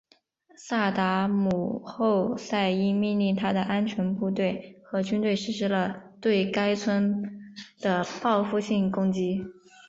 萨达姆侯赛因命令他的安全部队和军队实施了对该村的报复性攻击。